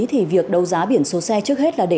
thì việc đấu giá biển số xe trước hết là để